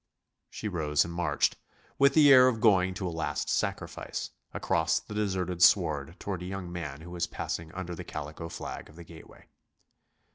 She rose and marched, with the air of going to a last sacrifice, across the deserted sward toward a young man who was passing under the calico flag of the gateway.